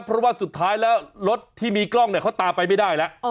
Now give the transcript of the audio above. เพราะว่าสุดท้ายแล้วรถที่มีกล้องเนี่ยเขาตามไปไม่ได้แล้ว